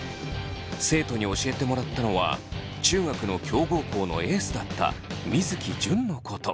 生徒に教えてもらったのは中学の強豪校のエースだった水城純のこと。